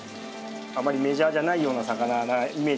あまりメジャーじゃないような魚のイメージが全くないですね